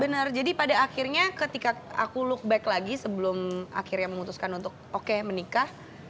benar jadi pada akhirnya ketika aku look back lagi sebelum akhirnya memutuskan untuk oke menikah